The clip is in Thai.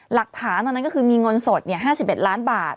หลักฐานตอนนั้นก็คือมีเงินสด๕๑ล้านบาท